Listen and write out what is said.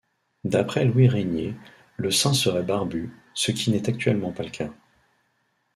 D'après Louis Régnier, le saint serait barbu, ce qui n'est actuellement pas le cas.